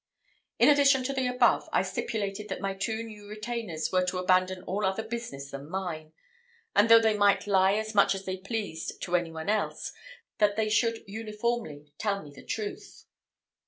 In addition to the above, I stipulated that my two new retainers were to abandon all other business than mine; and though they might lie as much as they pleased to any one else, that they should uniformly tell me the truth.